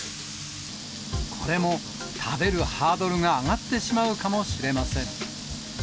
これも、食べるハードルが上がってしまうかもしれません。